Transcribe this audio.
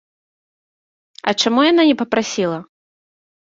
А чаму яна не папрасіла?